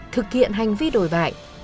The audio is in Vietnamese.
thực hiện hành vi đổi bại